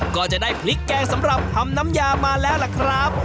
ก็จะได้พริกแกงสำหรับทำน้ำยามาแล้วล่ะครับ